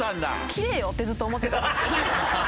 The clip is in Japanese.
切れよってずっと思ってた。